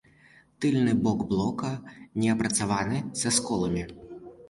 Тыльны бок блока неапрацаваны, са сколамі.